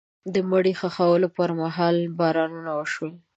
د مړي د ښخولو پر مهال باران وشو.